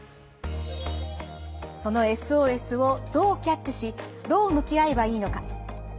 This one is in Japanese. そのＳＯＳをどうキャッチしどう向き合えばいいのか。